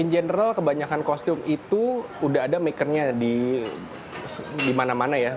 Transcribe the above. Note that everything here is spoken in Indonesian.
general kebanyakan kostum itu udah ada makernya di mana mana ya